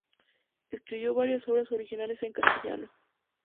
Escribió varias obras originales en castellano.